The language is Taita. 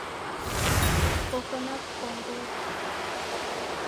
Koka na w'ukong'odo.